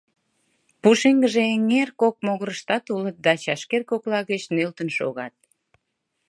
Пушеҥгыже эҥер кок могырыштат улыт да чашкер кокла гыч нӧлтын шогат.